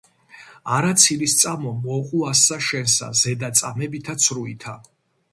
არა ცილი სწამო მოყუასსა შენსა ზედა წამებითა ცრუითა.